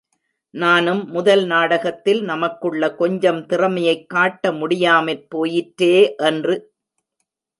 நானும், முதல் நாடகத்தில் நமக்குள்ள கொஞ்சம் திறமையைக் காட்ட முடியாமற் போயிற்றே என்று?